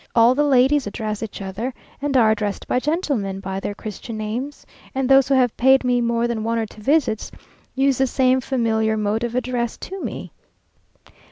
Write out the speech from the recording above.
All the ladies address each other, and are addressed by gentlemen, by their Christian names, and those who have paid me more than one or two visits, use the same familiar mode of address to me.